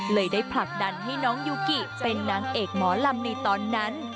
ได้ผลักดันให้น้องยูกิเป็นนางเอกหมอลำในตอนนั้น